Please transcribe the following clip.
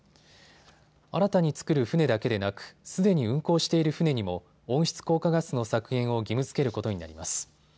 新たに造る船だけでなくすでに運航している船にも温室効果ガスの削減を義務づけることになります。